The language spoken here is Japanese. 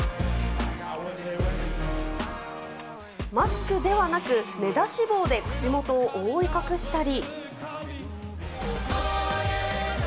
マスクではなく目出し帽で口元を覆い隠したり。